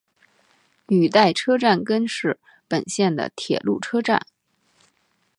羽带车站根室本线的铁路车站。